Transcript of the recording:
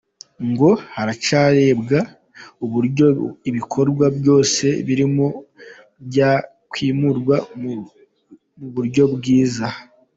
Ngo haracyarebwa uburyo ibikorwa byose birimo byakwimurwa mu buryo bwiza.